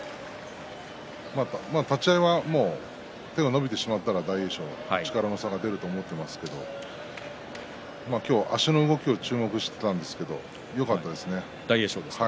立ち合いは手が伸びてしまったら大栄翔力の差が出ると思っていますけど今日、足の動きを注目していたんですけど大栄翔ですか？